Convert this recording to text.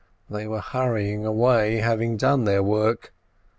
They were hurrying away, having done their work.